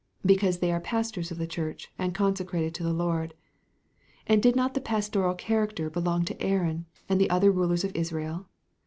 Because they are pastors of the Church, and consecrated to the Lord. And did not the pastoral character belong to Aaron, and the other rulers of Israel?